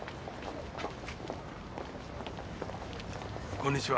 こんにちは。